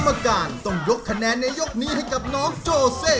กรรมการต้องยกคะแนนในยกนี้ให้กับน้องโจเซ